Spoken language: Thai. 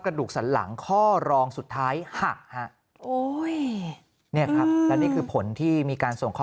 กระดูกสันหลังข้อรองสุดท้ายหักฮะและนี่คือผลที่มีการส่งข้อ